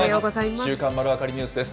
週刊まるわかりニュースです。